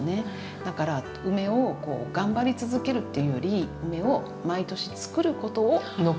だから梅を頑張り続けるというより梅を毎年つくることを残していきたいなっていう。